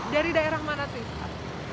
dari daerah mana sih